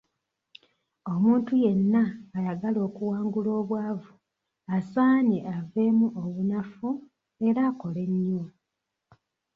Omuntu yenna ayagala okuwangula obwavu asaanye aveemu obunafu era akole nnyo.